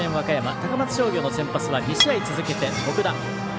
高松商業の先発は２試合続けて徳田。